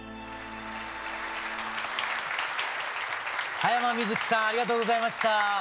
羽山みずきさんありがとうございました。